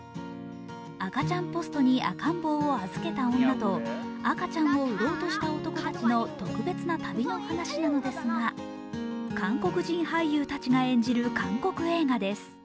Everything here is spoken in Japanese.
赤ちゃんポストに赤ん坊を預けた女と赤ちゃんを売ろうとした男たちの特別な旅の話なのですが、韓国人俳優たちが演じる韓国映画です。